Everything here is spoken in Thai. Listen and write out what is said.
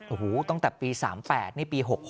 โอ้โหตั้งแต่ปี๓๘นี่ปี๖๖